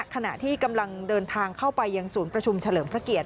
ขณะที่กำลังเดินทางเข้าไปยังศูนย์ประชุมเฉลิมพระเกียรติ